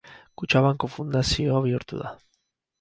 Kutxa banku fundazio bihurtu da.